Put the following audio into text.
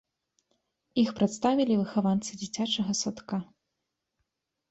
Іх прадставілі выхаванцы дзіцячага садка.